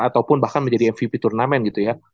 ataupun bahkan menjadi mvp turnamen gitu ya